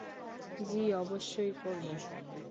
জি, অবশ্যই করবো।